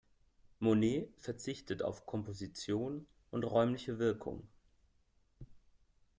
Monet verzichtet auf Komposition und räumliche Wirkung.